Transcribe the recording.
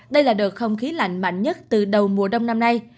đây là đợt không khí lạnh mạnh nhất từ đầu mùa đông năm nay